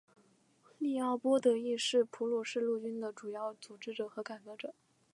利奥波德亦是普鲁士陆军的主要组织者和改革者。